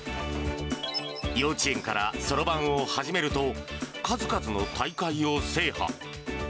幼稚園からそろばんを始めると、数々の大会を制覇。